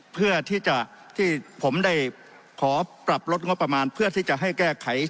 เพื่อที่จะที่ผมได้ขอปรับลดงบประมาณเพื่อที่จะให้แก้ไข